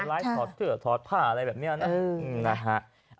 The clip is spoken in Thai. เอาไลฟ์ถอดเกลือถอดผ้าอะไรแบบนี้นะ